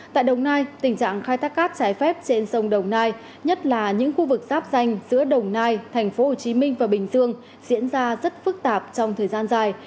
tại đồng nai tình trạng khai tác cát trái phép trên sông đồng nai nhất là những khu vực giáp danh giữa đồng nai thành phố hồ chí minh và bình dương diễn ra rất phức tạp trong thời gian dài